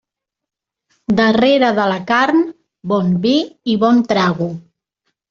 Darrere de la carn, bon vi i bon trago.